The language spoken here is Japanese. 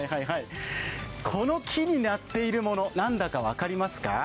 この木になっているもの、何だか分かりますか？